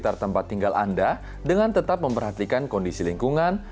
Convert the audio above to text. di sekitar tempat tinggal anda dengan tetap memperhatikan kondisi lingkungan